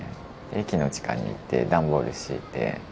駅の地下にいて段ボール敷いて。